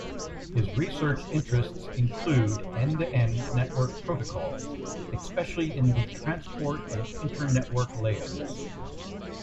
His research interests include end-to-end network protocols, especially in the transport and internetwork layers.